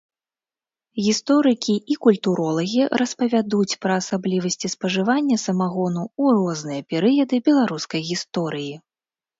Гісторыкі і культуролагі распавядуць пра асаблівасці спажывання самагону ў розныя перыяды беларускай гісторыі.